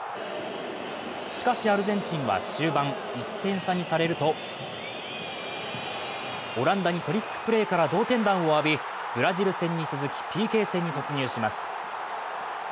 しかしアルゼンチンは終盤１点差にされると、オランダにトリックプレーから同点弾を浴び、ブラジル戦に続きＰＫ戦に突入します。